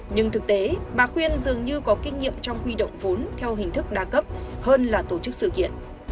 nhưng thực tế bà khuyên dường như có kinh nghiệm trong huy động vốn theo hình thức đa cấp hơn là tổ chức sự kiện